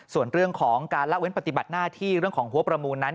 ส่วนเรื่องของการละเว้นปฏิบัติหน้าที่เรื่องของหัวประมูลนั้น